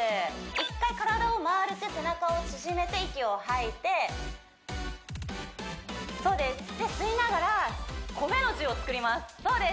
１回体を丸く背中を縮めて息を吐いてそうですで吸いながら米の字を作りますそうです